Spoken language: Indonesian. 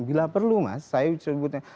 bila perlu mas saya sebutnya